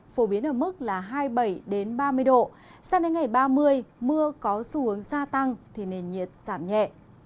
phổ biến ở mức là hai mươi bảy ba mươi độ sang đến ngày ba mươi mưa có xu hướng gia tăng thì nền nhiệt giảm nhẹ